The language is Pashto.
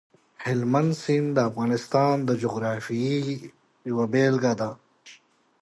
هلمند سیند د افغانستان د جغرافیې یوه بېلګه ده.